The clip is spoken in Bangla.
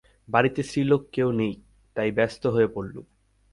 বাড়িতে স্ত্রীলোক কেউ নেই, তাই ব্যস্ত হয়ে পড়লুম।